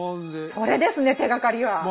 それですね手がかりは。